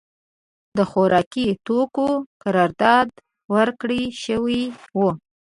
د خوارکي توکیو قرارداد ورکړای شوی و.